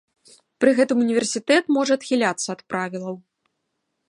Пры гэтым універсітэт можа адхіляцца ад правілаў.